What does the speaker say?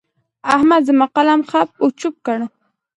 احمد زما قلم خپ و چپ کړ.